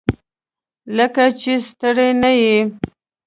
لکه چې ستړی نه یې؟